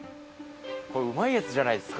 これうまいやつじゃないですか。